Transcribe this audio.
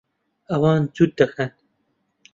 ئەوان جووت دەکەن.